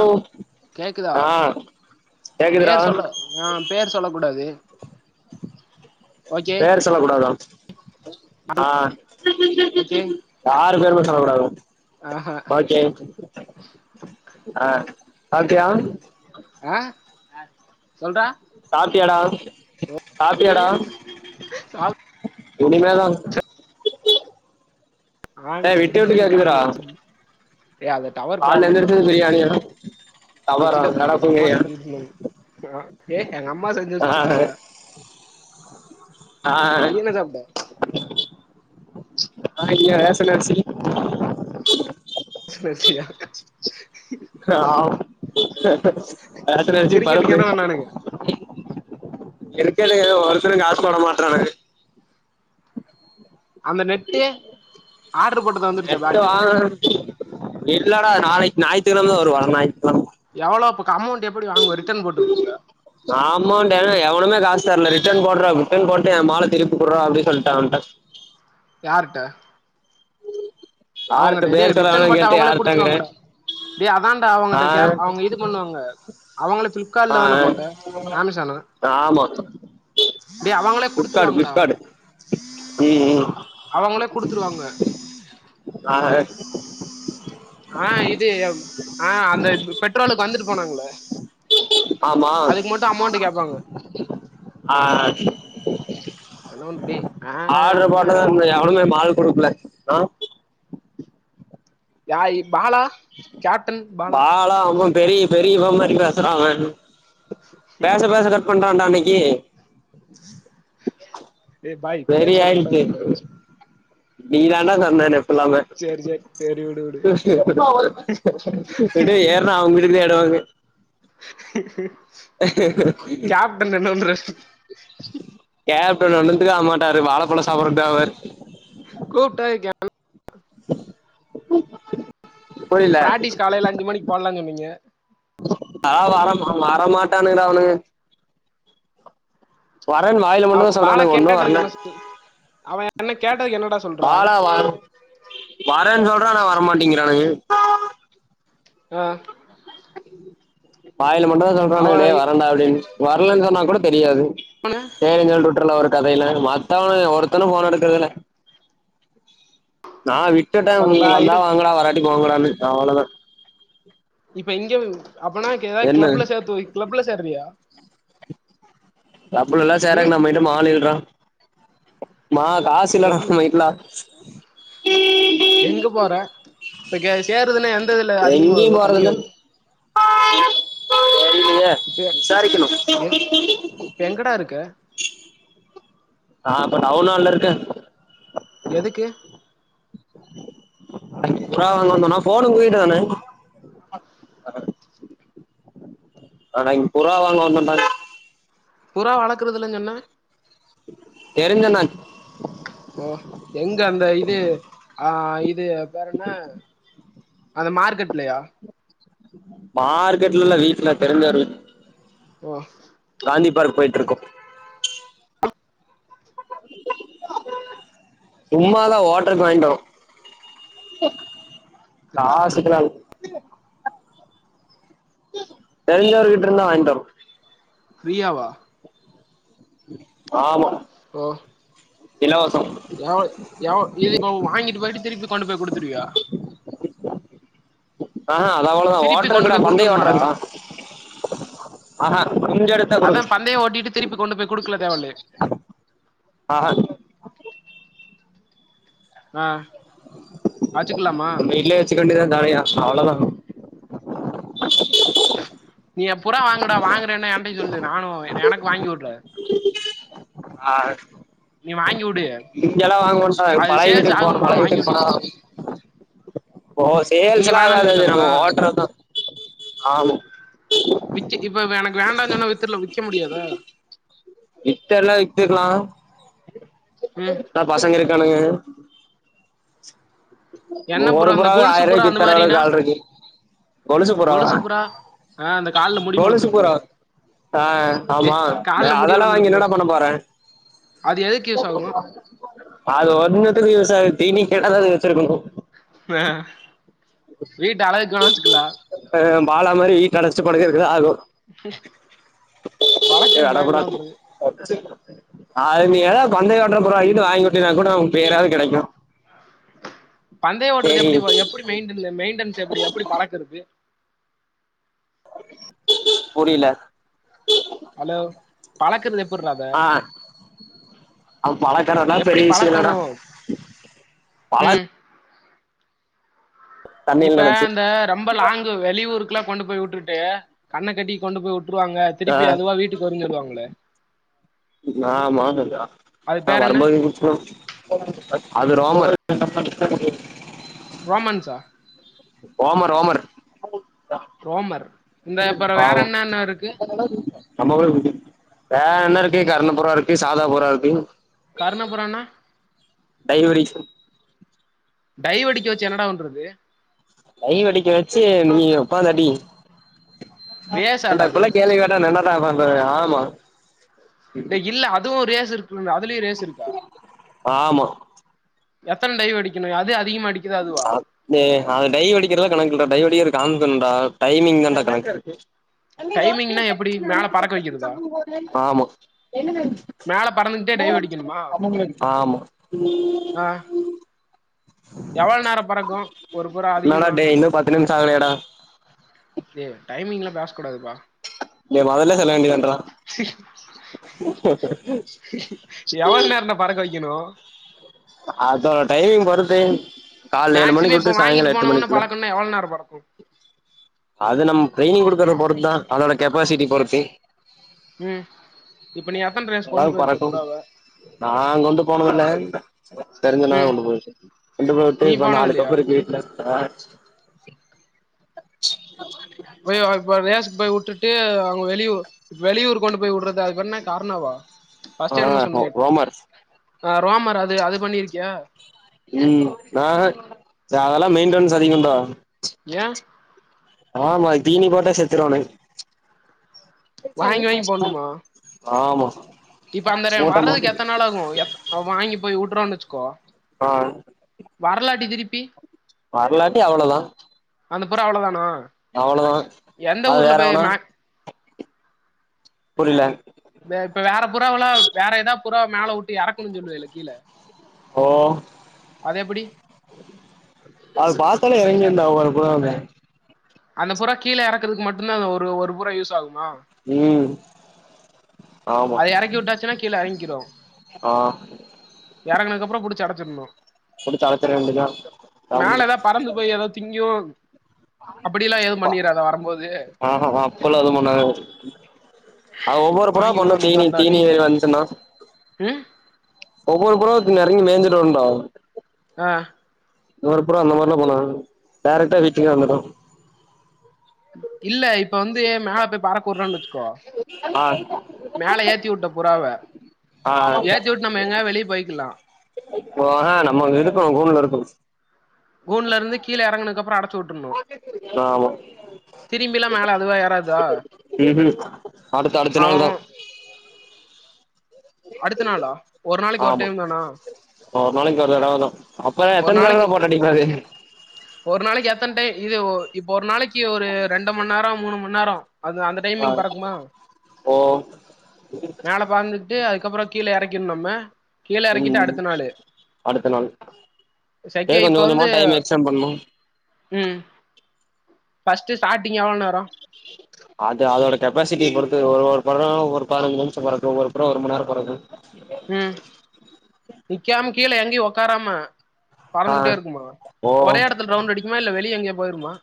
அ ஓ கேக்குதா ஆ கேக்குதுடா பேர் சொல்லு ஆ பேர் சொல்ல கூடாது ஓகே போர் சொல்ல கூடாதா ஆ ஓகே யாரு பேருமே சொல்லகூடாது ஆஹா வாகே ஆ சாப்டியா ஆ சொல்டா சாப்ட்டியாடா சாப்டியாடா சாப் இனிமேதா ஏ ஆங்க விட்டு விட்டு பிரியாணி காலையில வச்சி கால எந்திரிச்சது பிரியாணியா தவறா வெஜிடபிள்க்கு எங்கம்மா நடப்புங்கயா செஞ்சு வெச்சிருந்தாங்க அ ஏ எங்க அம்மா செஞ்சு ஆ வெச்சிருந்தாங்க [unintelligible] ஆ சாப்ட்ட அ இங்க ரேஷன் அரிசி [unintelligible] சியா ஆமா ரேஷன் அரிசி கிரிக்கெட்டுக்கு பருப்புலே என்ன பண்ணானுங்க இருக்கல்ல எது ஒருத்தரு காஸ் போட மாட்றானுக அந்த நெட்டு ஆட்ரு போட்டது வந்துருச்சா பேட்டு அ இல்லடா நாளைக் ஞாயித்கெழம தா வரு வர ஞாயித்கெழம எவ்வளோப்க்கு அமௌண்ட் எப்டி வாங்குவ ரிட்டர்ன் போட்டு உட்ருவியா ஆமோன்டே எவனுமே காஸ் தரல ரிட்டன் போட்ற ரிட்டன் போட்டு எ மால திருப்பி குட்றா அப்டி சொல்ட்டே அவன்ட்ட யார்ட்ட யார்ட்ட அவ்ங்கிட்ட டே பேர் சொல்ல ரிட்டன் வேணான் போட்டா கேட்டு அவுங்களே யார்ட்டங்கிறே குடுத்துருவாங்கடா டே அதான்டா அவங்கட்ட ஆ கேப் அவுங்க இது பண்ணுவாங்க அவுங்கள பிளிப்காட்ல தான ஆ போட்ட ஆமேசானா ஆமா டே அவங்களே ஃப்ளிப்கார்டு குடுத்துருவாங்கடா ஃப்ளிப்கார்டு ம் ம் அவங்களே குடுத்துருவாங்க ஆ ஏ ஆ இது ஆ அந்த பெட்ரோலுக்கு வந்துட்டு போனாங்கல்ல ஆமா அமௌண்ட் கேப்பாங்க ஆ ஹலோன்டு டே ஆ ன்டு என்ன ஒழுங்கா மாலு குடுக்கல ஹலோ யா இக் பாலா பாலா அவம் பெரிய பெரிய இவ மாரி பேசுற அவன் பேச பேச கட் பண்றான்டா அன்னைக்கி டே பாய் பேரு வெறி சொல்ல ஆயிடுச்சு கூடாதுன்னுல்லோ நீ தாண்டா சந்தானம் சொல்லாம சேரி சேரி சேரி விடு விடு டே ஏறனா அவுங்க வீட்டுக்குதா எடுவாங்கு கேப்டன் என்ன பண்றார் கேப்டன் ஒண்ணுத்துக்கு ஆகமாட்டாரு வாழப்பழோ சாப்பறக்கு தா ஆவரு கூப்ட்டா [inaudible] [unintelligible] புரியல பிராக்டிஸ் காலைல அஞ்சு மணிக்கு போட்லான் சொன்னிங்க ஆ வர மா வர மாட்டானுகடா அவுனுக வரன் வாயில மட்டுந்தா சொல்றானுக ஒன்னு வர்ல அவ அன்னைக் கேட்டதுக்கு என்னடா சொல்றா வரன் சொல்ட்றா ஆனா வரமாட்டிங்கிறானுக அ வாயில மட்டு தா சொல்றானுக அவன் டே இவன வரன்டா அப்டின் வர்லன் சொன்னா கூட தெரியாது [unintelligible] சேரின் சொல்ட்டு உட்றலா ஒரு கதையில மத்தவனுக ஒருத்தனு ஃபோன் எடுக்கறதில்ல நா விட்டுட்டே இப்ப அந்த ம் பா- வந்தா இது வாங்கடா வராட்டி போங்கடான்னு அவ்ளதா இப்ப இங்க அப்பனா கெதாத் என்ன க்ளப்ல சேர்த்து வெய் க்ளப்ல சேர்றியா க்ளப்லலா சேர்றக்கு ம் நம்மகிட்ட மால் இல்றா மால் கா ஸில்லடா கிளப்ல நம்மகிட்லா எங்க போற இப்ப கே சேறதுன்னா எந்த இதுல அதிகமா வரு கம்மியா வரு தெரிலையே இப்ப விசாரிக்குணு எ- இப்ப எங்கடா இருக்க நா இப்ப டவுன்ஹால்ல இருக்க எதுக்கு புறா வாங்க வந்தோனா ஃபோனு உங்கயிட்ட தான அன்னக்கி புறா வாங்க வந்தோடா புறா வளக்கறது இல்லன்னு சொன்ன தெரிஞ்ச அண்ணாக் ஓ எங்க அந்த இது ஆ இது பேறென்ன அந்த மார்க்கெட்லையா மார்க்கெட்ல இல்ல வீட்ல தெரிஞ்ச ஒரு வீட்ல ப்பா காந்தி பார்க் போயிட்டு இர்க்கோ [inaudible] சும்மாதா ஓட்டறக் வாங்கிட் வரோ காசுக்குலா இல்ல தெரிஞ்சவோர் வீட்லிருந்து வாங்கிட்டு வரோ பிரியா வா ஆமா ஓ இலவசம் எவ் ‌எவ் இது வாங்கிட்டு போய்ட்டு திருப்பி கொண்டு போய் குடுத்துருவியா ஆஹா அது அவ்ளோதா திருப்பி கொண்டு ஓட்டருங்குடா போய் பந்தயோ குடுக்கணுமாடா ஓட்டருக் டா ஆஹா இங்க இருக் அதா பந்தையை ஓட்டிட்டு திருப்பி கொண்டு போய் குடுக்குல தேவல்லையா ஆ அ நம்ம வீட்லயே வச்சு வேண்டிதா தாளையா அவ்ளோதா நீ புறா வாங்குடா வாங்குறன்னா என்டயு சொல்லு நானு எனக்கு வாங்கி வுடு [unintelligible] ஆ நீ வாங்கி வுடு இங்கெல்லா வாங்க வேண்டா அது பழைய சேல்ஸ் வீட்டுக்கு போனு ஆகுமா பழைய வாங்கி வீட்டுக்கு வுடு போனா ஓஸ் இங்க சேல்லா வேணான்னு ஆகாது அது சொல்ட்டாங்களா நம்ம ஓட்டருதா ஆமா இப்ப எனக்கு வேண்டானு சொன்னா வித்துற்ல விக்க முடியாதா வித்து எல்லா வித்துக்கலா ம் வித்தா பசங்க இருக்கானுங்க என்ன ஒங்க ஒரு புறா அந்த புறாவே கொலுசு புறா ஆயிரோக்கு அந்த வித்துதர மாரினா அளவுக்கு ஆள் இருக்கு கொலுசு புறாவா ஆ அந்த கால்ல முடி கொலுசுபுறா மொளச்சிருக்கும்ல ஆ டே ஆமா கால்ல முடி அதெல்லா வாங்கி என்னடா வளர்ந்துருக்கும்லடா பண்ண போறே அது எதுக்கு யூஸ் ஆகு அது ஒன்னுத்துக்கு யூஸ்சாகாது தீனிக் கேடாதா அத வச்சிருக்குணு மே வீட்டு அழகுக்குனா வச்சுக்குல்லா அ பாலா மாரி வீட்ட அடச்சுட்டு படுக்கருக்குதா ஆகு ஏ அட வளக்கணுமா என்ன போடா பண்றது அது நீ எதாவுது பந்தயகட்ற புறாகிது வாங்கி வுட்டினா கூட ஓ பேராவுது கெடைக்கு பந்தைய ஓட்றது எப்பிடி சேரி எப்பிடி மெயிண்டன் மெயின்டென்ஸ் எப்பிடி எப்பிடி பழக்கறது புரில ஹலோ பழக்கறது எப்புர்றா அத அவ பழக்கறதெல்லா எப்பிடி பெரிய விஷய பழக்கணு இல்லடா பழ ம் தண்ணில இப்ப நெனச்சு அந்த ரொம்ப லாங்கு வெளியூர்க்குலா கொண்டு போய் உட்டுட்டு கண்ண கட்டி கொண்டு போய் உட்டுருவாங்க ஆ திருப்பி அதுவா வீட்டுக் கு வருனு சொல்லுவாங்களே அது பேர் என்ன [unintelligible] அது ரோமர் ரோமன்ஸா ரோமர் ரோமர் ரோமர் இந்த அப்றோ வேற என்னன்ன இருக்கு ஆமா [inaudible] வேற என்ன இருக்கு கர்ண புறா இருக்கு சாதா புறா இருக்கு கர்ண புறான்னா டைவடிக் டைவடிக்க வெச்சு என்னடாபண்றது டைவடிக்க வெச்சு நீ உக்காந்தா அடி ரேஸாடா எண்டா அது இப்பில்லா கேள்வி கேட்டா நா என்னடா பண்றது ஆமா டேய் இல்ல அதுவு ரேஸ் இருக்குல்ல அதுலயு ரேஸ் இருக்கா ஆமா எத்தன டைவடிக்கணு அதே அதிகமா அடி [unintelligible] டேய் அது டைவடிக்கிறதெல்லா கணக்கில்லடா டைவடிக்கிறத காமிக்கணுன்டா டைமிங்தான்டா கணக்கு டைமிங்னா எப்டி மேல பறக்க வைக்கிறதா ஆமா மேல பறந்துகிட்டே டைவ் அடிக்கணுமா ஆமா எவ்ள நேரோ பறக்கு ஒரு புறா என்னடா அதிகமா டேய் இன்னு பத்து நிமிஷ ஆகலையாடா ஏ டைமிங்லா பேசக் கூடாதுப்பா நீ மொதல்லே சொல்லவேண்டிதான்றா எவ்ளோ நேரன்டா பறக்க வெக்கணு அதோட டைமிங் பொறுத்து கால்ல ஏழு மணிக்கு மேக்சிமம் உட்ரு இப்ப வாங்கிட்டு சாங்கால எட்டு போனவொன்ன மணிக்குள்ள பறக்கணுனா எவ்ளோ நேரோ பறக்கு அது நம் டிரெயினிங் குடுக்கறத பொறுத்தா அதோட கெப்பாசிட்டி பொறுத்து ம் இப்ப நீ எத்தன ரேஸ் நல்லாவே கொண்டு போயிருக்க பறக்கும் புறாவ நா கொண்டு போனதில்ல தெரிஞ்ச அண்ணா ம் கொண்டு போய் இருக்கு கொண்டு போய்ட்டு நீ இப்ப போனது இல்லையா நாலு [unintelligible] வீட்ல போய் இப்ப ரேஸ்க் போய் உட்டுட்டு அவுங்க வெளியூ வெளியூர்க் கு கொண்டு போய் உட்றது அது பேர்ன்ன கார்ணாவா ஆ ஃபஸ்ட்டு என்னமோ சொன்னியே ரோமர் ஆ ரோமர் அது அது பண்ணி இருக்கியா ம் நா அதெல்லா மெயின்டனன்ஸ் அதிகண்டா ஏ ஆமா அதுக்கு தீனி போட்டே செத்துருரோனு வாங்கி வாங்கி போடணுமா ஆமா இப்ப அந்த மூட்ட வர்றதுக்கு எத்த மூட்ட நாள் ஆகு வாங்கி போய் விட்டுறோன்னு வெச்சுக்கோ ஆ வர்லாட்டி திரிப்பி வரலாட்டி அவ்ளதான் அந்த புறா அவ்ள தானோ அவ்ளோதான் எந்த அது ஊர்ல போய் வேறவனா புரியல இப்ப வேற புறாவவுலாம் வேற ஏதா புறா மேல விட்டு எறக்கணும்னு சொல்லுவ இல்ல கீழ ஓ அது எப்டி அது பாத்தாலே எறங்கின்டா ஒவ்வொரு புறாமே அந்த புறா கீழ எறக்குறக்கு மட்டும்தான் அது ஒரு ஒரு புறா யூஸ் ஆகுமா ம் ஆமா அத எறக்கி விட்டாச்சுன்னா கீழ எறங்கிடோ ஆ எறங்கினக்கப்புறம் புடிச்சி அடச்சுட்ணும் [unintelligible] அப்டி தலைத்த அப்படிதா காமெடி மேல பறந்து போய் ஏது திங்கும் அப்டில்லாம் எதுவும் பண்ணிறாத வரும்போது ஆஹா அவ ஒவ்வொரு புறா பண்ணு தீனி தீனி [unintelligible] வந்துச்சுன்னா ம் ஒவ்வொரு புறங்க நறைய மேஞ்சட்டு வந்துரு அ இந்த ஒரு புறா அந்த மாதிரிலாம் பண்ணது டேரக்டா வீட்டுக்கு வந்துடும் இல்ல இப்ப மேல பறக்குடுறான்ன்னு வச்சுக்கோ ஆ மேல ஏத்தி விட்ட புறாவ ஆ ஏத்தி விட்டு நம்ம எங்கயா வெளியே போய்க்கலாம் இப்போ ஆனா நம்ம இருக்கணோம் கூண்டல இருக்கோம் கூன்ல இருந்து கீழ எறுதுக்குப்புற அடச்ச உட்டுணும் ஆமா திரும்பிலா மேல அதுவா ஏறாதா ம் அதுக்கு அடுத்த அவ நாள் தான் அடுத்த நாளா ஒரு நாளைக்கு ஆமா டைம் தானா ஒரு நாளைக்கு ஒரு தடவ தான் அப்பற ஒரு எத்தனை தடவ நாளைக்கு போட்ட அடிக்காது ஒரு நாளைக்கு எத்தன டைம் இது இப்ப ஒரு நாளைக்கு ஒரு ரெண்டு மண் நேரம் மூணு மண் நேரம் அது அந்த ஆ டைமிங் பறக்குமா ஓ மேல பந்துட்டு அதுக்கப்புறம் கீழே இறக்கணும் நம்ம கீழ இறக்கிட்டு ம் அடுத்த நாளு அடுத்த நாள் ஏ சக்கே கொஞ்ச இப்ப கொஞ்சமா வந்து டைம் எக்ஸ்டெண்ட் பண்ணு ம் பஸ்ட்டு ஸ்டாட்டிங் எவ்ள நேரம் அது அதோட கெப்பாசிட்டி பொறுத்து ஒரு ஒரு பறம் ஒரு பதிஞ்சு நிஷம் பறக்கும் ஒரு புறா ஒரு மண் நேரம் பறக்கும் ம் நிக்காம கீழ எங்கயு ஒக்காராம ஆ பறந்துகிட்டே இருக்குமா ஓ ஒரே இடத்துல ரவுண்ட் அடிக்குமா இல்ல வெளியே எங்கயே போயிருமா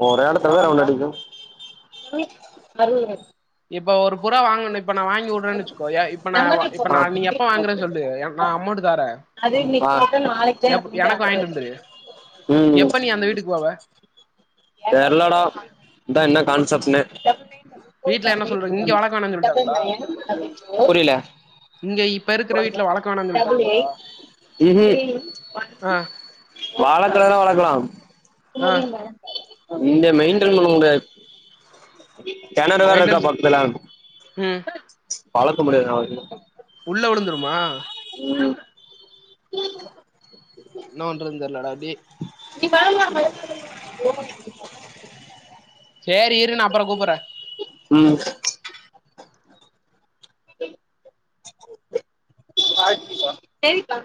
[unintelligible] ஒன்னு அடிக்கும் இப்ப ஒரு புறா வாங்கணும் இப்ப நான் வாங்கி விட்றேு வச்சுக்கோயா இப்ப நா இப்ப ஆ நா நீ எப்ப வாங்கற சொல்லு நா அம்மௌன்ட்டு தாரேன் அது இன்னைக் குத்தா நாளைக்கு தான் இருக்கும் வந்து ஆட வந்துரு எப்ப நீ அந்த வீட்டுக்கு போவ தெரிலடா இந்த இன்னா கான்செப்ட்ஸ்சனு வீட்ல என்ன சொல்ற இங்க வளக்க வேணான்னு சொல்ட்டாங்களா புரியல இங்க இப்ப இருக்கிற வீட்ல வளக்க வேணான்னு சொல்ட்டாங்களாடா ம் ம் ஆ வளக்குனா வளக்கலாம் ஆ ‌ இந்த மெய்டன் பண்ண முடியாது கெணறு வேற இருக்கா மெயின்டன்ஸ் பக்கத்துல ம் வளக்க முடியது உள்ள வுழுந்துருமா இல்ல என்னா பண்றதுன் தெர்லடா டே [unintelligible] சேரி இரு நா அப்பறோ கூப்புற ம் ம் சரிக்கா